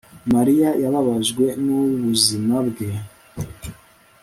Mariya yababajwe nubuzima bwe